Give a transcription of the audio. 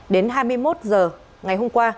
đến hai mươi một h ngày hôm qua